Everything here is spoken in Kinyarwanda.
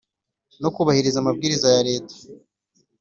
no kubahiriza amabwiriza ya Leta